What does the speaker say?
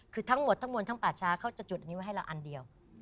คือทั้งหมดทั้งมวลทั้งป่าช้าเขาจะจุดนี้ไว้ให้เราอันเดียว